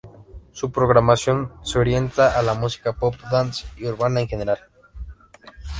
Su programación se orienta a la música pop, dance, y urbana en general.